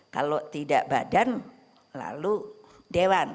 kalau tidak badan lalu dewan